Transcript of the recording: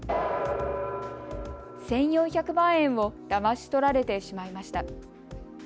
１４００万円をだまし取られてしまいました。